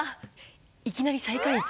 いきなり最下位。